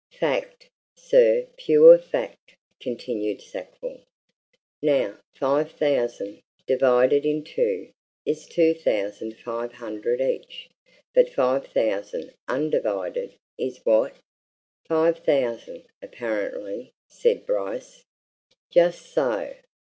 "Fact, sir pure fact," continued Sackville. "Now, five thousand, divided in two, is two thousand five hundred each. But five thousand, undivided, is what?" "Five thousand apparently," said Bryce. "Just so!